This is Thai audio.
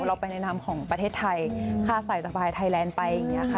เราไปในนามของประเทศไทยค่าใส่สบายไทยแลนด์ไปอย่างนี้ค่ะ